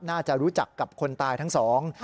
น่าจะรู้จักกับคนตายทั้งสอง